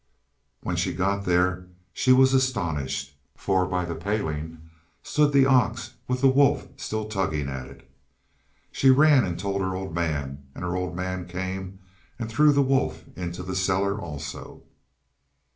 When she got there she was astonished, for by the palings stood the ox with the wolf still tugging at it. She ran and told her old man, and her old man came and threw the wolf into the cellar also.